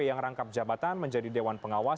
yang rangkap jabatan menjadi dewan pengawas